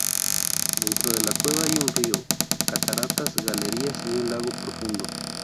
Dentro de la cueva hay un río, cataratas, galerías y un lago profundo.